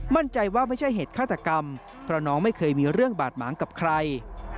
มั่นใจว่าไม่ใช่เหตุฆาตกรรมเพราะน้องไม่เคยมีเรื่องบาดหมางกับใคร